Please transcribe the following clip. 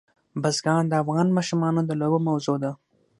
بزګان د افغان ماشومانو د لوبو موضوع ده.